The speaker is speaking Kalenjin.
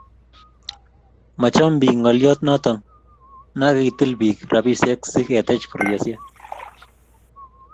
Machom biik ngalyot noto nakitili biik rabisiek si ketech korisiek